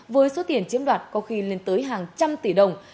với số tiền chiếm đoạt có khi lên tới hàng trăm tỷ đồng